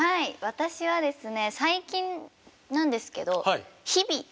私はですね最近なんですけど「日々」。